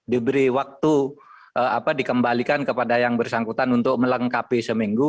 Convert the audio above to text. diberi waktu dikembalikan kepada yang bersangkutan untuk melengkapi seminggu